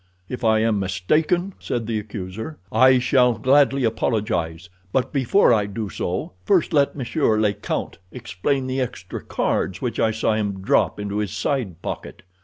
"If I am mistaken," said the accuser, "I shall gladly apologize; but before I do so first let monsieur le count explain the extra cards which I saw him drop into his side pocket."